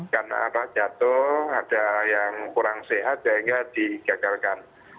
karena jatuh ada yang kurang sehat sehingga digagalkan